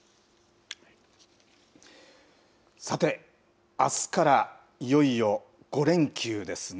さて、あすからいよいよ５連休ですね。